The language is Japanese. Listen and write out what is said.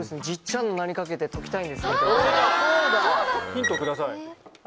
ヒントください。